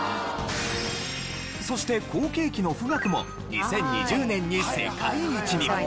そして後継機の富岳も２０２０年に世界一に。